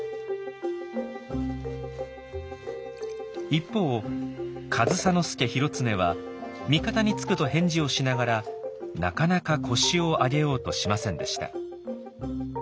一方上総介広常は味方につくと返事をしながらなかなか腰を上げようとしませんでした。